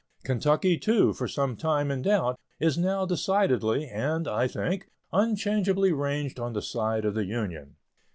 Kentucky, too, for some time in doubt, is now decidedly and, I think, unchangeably ranged on the side of the Union.